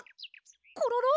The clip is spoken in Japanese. コロロ？